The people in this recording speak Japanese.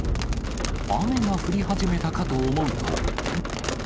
雨が降り始めたかと思うと。